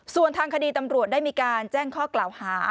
ส่วนทางคดีตำรวจได้มีการแจ้งข้อกล่าวหา